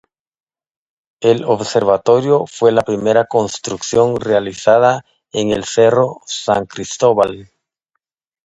El observatorio fue la primera construcción realizada en el Cerro San Cristóbal.